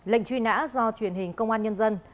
lệnh truy nã do truyền hình công an nhân dân